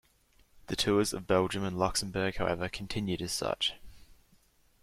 The Tours of Belgium and Luxembourg however continued as such.